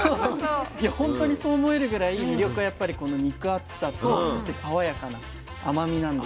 いや本当にそう思えるぐらい魅力はやっぱりこの肉厚さと爽やかな甘みなんですよね。